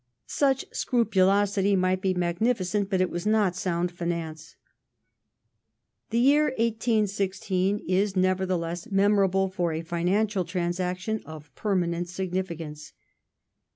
Such scrupulosity might be magnificent, but it was not sound finance. The year 1816 is, nevertheless, memorable for a financial transaction of permanent significance.